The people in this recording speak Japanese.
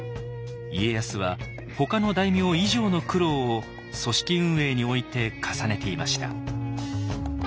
家康はほかの大名以上の苦労を組織運営において重ねていました。